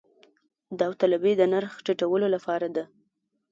داوطلبي د نرخ ټیټولو لپاره ده